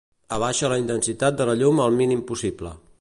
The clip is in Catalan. Abaixa la intensitat de la llum al mínim possible.